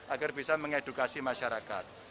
agar bisa mengedukasi masyarakat